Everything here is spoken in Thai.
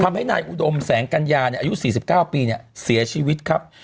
ทำให้นายอุดมแสงกัญญาเนี่ยอายุสี่สิบเก้าปีเนี่ยเสียชีวิตครับ